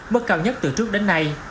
mất cao nhất từ trước đến nay